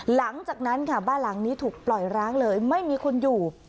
หลังจากนั้นค่ะบ้านหลังนี้ถูกปล่อยร้างเลยไม่มีคนอยู่